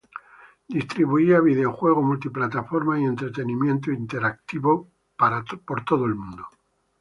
Distribuía videojuegos multiplataforma y entretenimiento interactivo por todo el mundo.